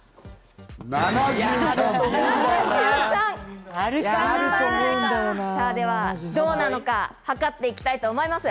７３！ではどうなのか、はかっていきたいと思います。